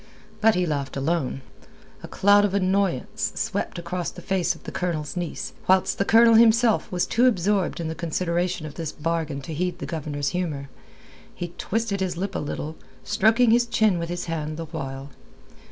But he laughed alone. A cloud of annoyance swept across the face of the Colonel's niece, whilst the Colonel himself was too absorbed in the consideration of this bargain to heed the Governor's humour. He twisted his lip a little, stroking his chin with his hand the while.